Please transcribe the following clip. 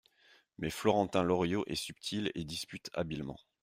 Mais Florentin Loriot est subtil et dispute habilement.